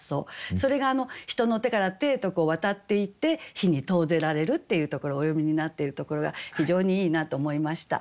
それが人の手から手へと渡っていって火に投ぜられるっていうところをお詠みになっているところが非常にいいなと思いました。